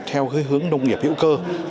theo hướng nông nghiệp hữu cơ